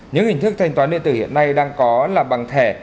những hình thức thanh toán điện tử hiện nay đang có là bằng thẻ